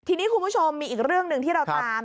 ทีนี้คุณผู้ชมมีอีกเรื่องหนึ่งที่เราตาม